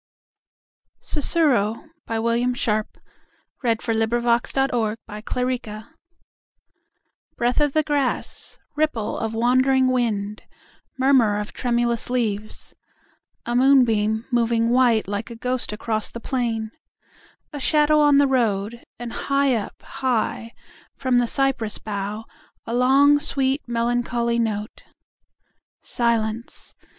William Sharp 1855–1905 From "Sospiri Di Roma." I. Susurro Sharp Wi BREATH o' the grass, Ripple of wandering wind, Murmur of tremulous leaves:A moonbeam moving whiteLike a ghost across the plain:A shadow on the road:And high up, high, From the cypress bough,A long sweet melancholy note. Silence.